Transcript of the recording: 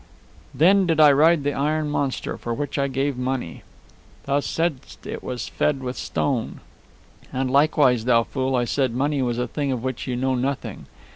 "Then did I ride the iron monster, for which I gave money " "Thou saidst it was fed with stone." "And likewise, thou fool, I said money was a thing of which you know nothing.